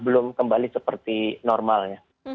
belum kembali seperti normalnya